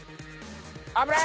危ない！